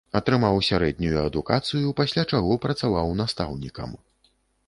Атрымаў сярэднюю адукацыю, пасля чаго працаваў настаўнікам.